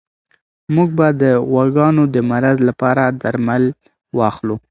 موږ به د غواګانو د مرض لپاره درمل واخلو.